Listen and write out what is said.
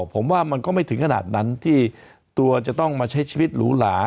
ผมว่ามันก็ไม่ถึงขนาดนั้นที่ตัวจะต้องมาใช้ชีวิตหรูหลา